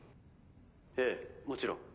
ええもちろん。